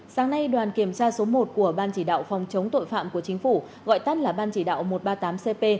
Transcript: sáng nay đoàn kiểm tra số một của ban chỉ đạo phòng chống tội phạm của chính phủ gọi tắt là ban chỉ đạo một trăm ba mươi tám cp